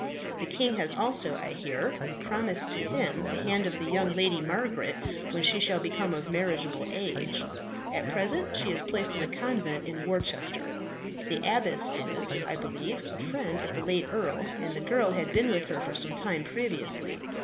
The king has also, I hear, promised to him the hand of the young Lady Margaret, when she shall become of marriageable age. At present she is placed in a convent in Worcester. The abbess is, I believe, a friend of the late earl, and the girl had been with her for some time previously.